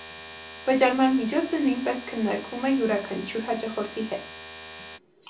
Վճարման միջոցը նույնպես քննարկվում է յուրաքանչյուր հաճախորդի հետ։